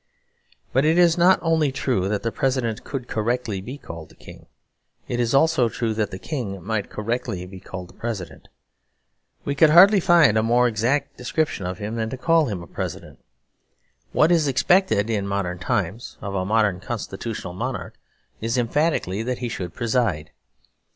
But it is not only true that the President could correctly be called a King. It is also true that the King might correctly be called a President. We could hardly find a more exact description of him than to call him a President. What is expected in modern times of a modern constitutional monarch is emphatically that he should preside.